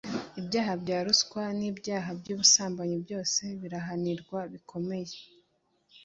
Ibyaha bya ruswa n ibyaha byubusambanyi byose birahanirwa bikomey